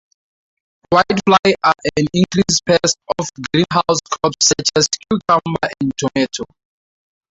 Whitefly are an increasing pest of greenhouse crops such as cucumber and tomato.